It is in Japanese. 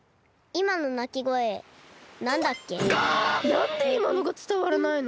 なんでいまのがつたわらないの？